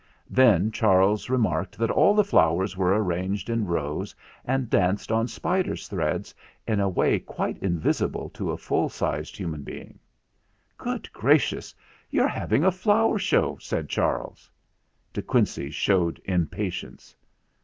Then Charles remarked that all the flowers were arranged in rows and danced on spiders' threads in a way quite invisible to a full sized human being. "Good gracious! you're having a flower show!" said Charles. De Quincey showed impatience.